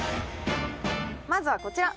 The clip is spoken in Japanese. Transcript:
まずはこちら。